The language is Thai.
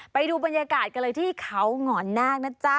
ไปดูบรรยากาศกันเลยที่เขาหงอนนาคนะจ๊ะ